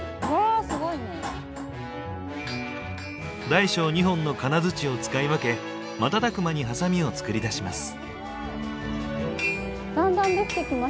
大小２本の金づちを使い分け瞬く間にハサミを作り出します。